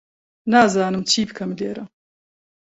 نازانم چی بکەم لێرە.